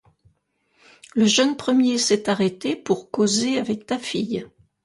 Le jeune premier s'est arrêté pour causer avec ta fille.